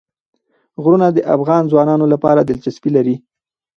غرونه د افغان ځوانانو لپاره دلچسپي لري.